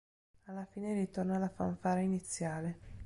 Alla fine ritorna la fanfara iniziale.